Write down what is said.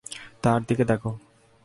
তার দিকে দেখো।